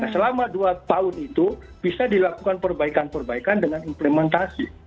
selama dua tahun itu bisa dilakukan perbaikan perbaikan dengan implementasi